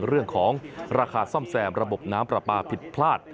เรื่องของราคาซ่อมแซมระบบน้ำปลาปลาผิดพลาด